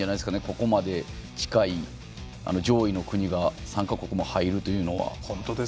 ここまで近い上位の国が、３か国も入るのは。